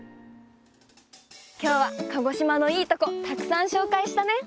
きょうは鹿児島のいいとこたくさんしょうかいしたね。